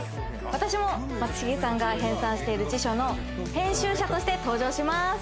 私も松重さんが編纂している辞書の編集者として登場します